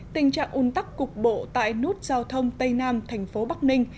tình trạng un tắc cục bộ tại nút giao thông tây nam thành phố bắc ninh